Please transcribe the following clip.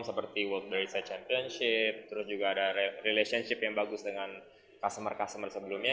seperti world research championship terus juga ada relationship yang bagus dengan customer customer sebelumnya